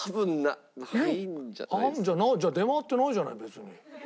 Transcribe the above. じゃあ出回ってないじゃない別に。